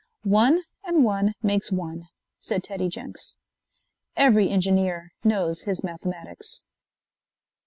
"One and one makes one," said Teddy Jenks. Every engineer knows his mathematics.